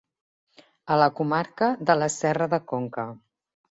A la comarca de la serra de Conca.